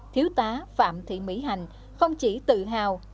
thiếu tá phạm thị mỹ hành không chỉ tự hào